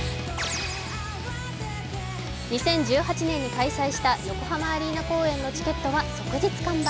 ２０１８年に開催した横浜アリーナ公演のチケットは即日完売。